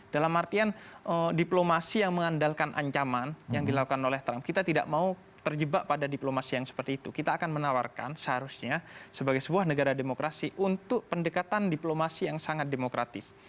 dalam artian diplomasi yang mengandalkan ancaman yang dilakukan oleh trump kita tidak mau terjebak pada diplomasi yang seperti itu kita akan menawarkan seharusnya sebagai sebuah negara demokrasi untuk pendekatan diplomasi yang sangat demokratis